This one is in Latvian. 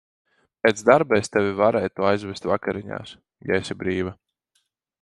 Pēc darba es tevi varētu aizvest vakariņās, ja esi brīva.